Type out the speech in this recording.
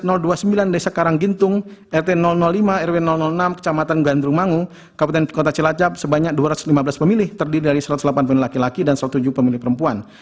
a jumlah dpt pada tps dua puluh sembilan desa karanggintung rt lima rw enam kecamatan gandrung mangu kabupaten kota cilacap sebanyak dua ratus lima belas pemilih terdiri dari satu ratus delapan puluh laki laki dan tujuh belas pemilih perempuan